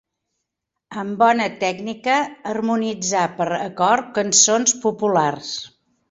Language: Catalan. Amb bona tècnica harmonitzà per a cor cançons populars.